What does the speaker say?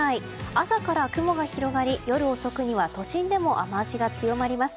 朝から雲が広がり夜遅くには都心でも雨脚が強まります。